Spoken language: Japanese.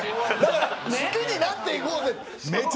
だから好きになっていこうぜ。